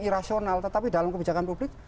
irasional tetapi dalam kebijakan publik